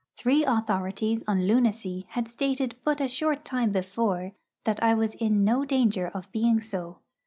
Three authorities on lunacy had stated but a short time before that I was in no danger of being so.